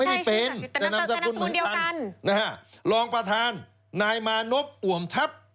ไม่เป็นจะนำจากคุณเหมือนกันนะฮะรองประธานนายมานกอุ่มทัพ